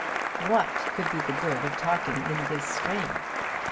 What could be the good of his talking in this strain?